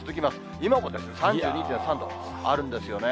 今も３２．３度あるんですよね。